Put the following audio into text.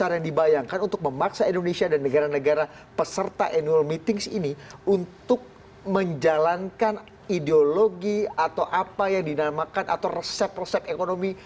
apa yang dibayangkan untuk memaksa indonesia dan negara negara peserta annual meetings ini untuk menjalankan ideologi atau apa yang dinamakan atau resep resep ekonomi